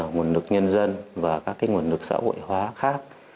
nguồn lực nhân dân và các nguồn lực xã hội hóa khác